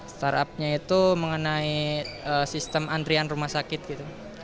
startupnya itu mengenai sistem antrian rumah sakit gitu